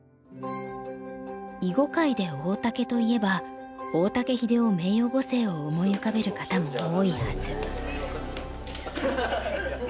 囲碁界で「大竹」といえば大竹英雄名誉碁聖を思い浮かべる方も多いはず。